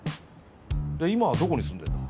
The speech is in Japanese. で今はどこに住んでるんだ？